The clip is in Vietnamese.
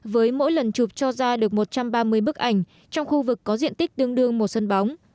với mỗi lần chụp cho ra được một trăm ba mươi bức ảnh trong khu vực có diện tích tương đương một sân bóng